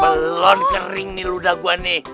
belon kering nih ludah gue nih